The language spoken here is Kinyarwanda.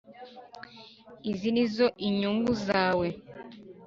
izi nizo inyungu zawe.